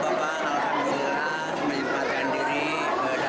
tampak kaget saat disambangi oleh presiden